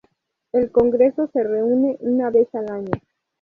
El Congreso se reúne una vez al año.